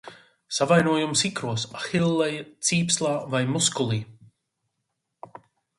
Savainojums ikros, ahilleja cīpslā vai muskulī.